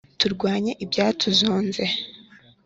turwanye ibyadusonze byose